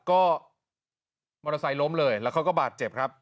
ก็มอเตอร์ไซค์ล้มเลยแล้วเขาก็บาดเจ็บครับ